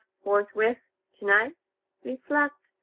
forthwith? tonight? Reflect.